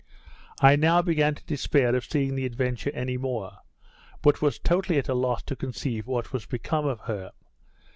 I now began to despair of seeing the Adventure any more; but was totally at a loss to conceive what was become of her.